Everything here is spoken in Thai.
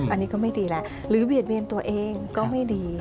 อันนี้ก็ไม่ดีแล้วหรือเบียดเวียนตัวเองก็ไม่ดี